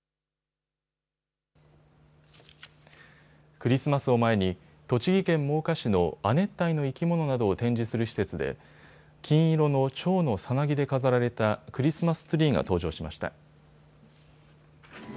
クリスマスを前に栃木県真岡市の亜熱帯の生き物などを展示する施設で金色のチョウのさなぎで飾られたクリスマスツリーが登場しました。